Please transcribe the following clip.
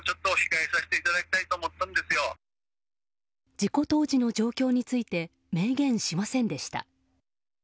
事故当時の状況について明言しませんでした。